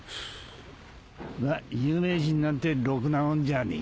まっ有名人なんてろくなもんじゃねえ。